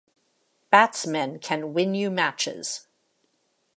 Batsmen can win you matches.